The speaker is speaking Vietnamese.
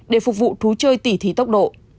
để phục vụ thú chơi tỉ thí tốc độ